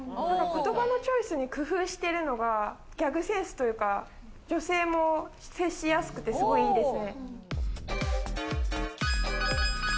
言葉のチョイスを工夫してるのがギャグセンスというか、女性も接しやすくて、すごくいいですね。